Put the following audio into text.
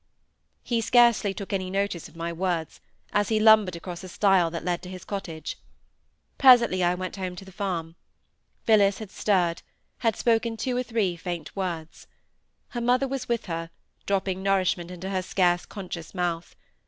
He scarcely took any notice of my words, as he lumbered across a Stile that led to his cottage. Presently I went home to the farm. Phillis had stirred, had spoken two or three faint words. Her mother was with her, dropping nourishment into her scarce conscious mouth.